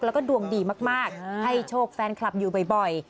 แล้วก็ดวงดีมากให้โชคแฟนคลับอยู่บ่อย